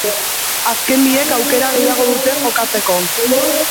Azken biek aukera gehiago dute jokatzeko.